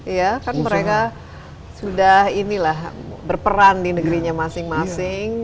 iya kan mereka sudah berperan di negerinya masing masing